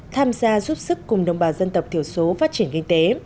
tham gia giúp sức cùng đồng bào dân tộc thiểu số phát triển kinh tế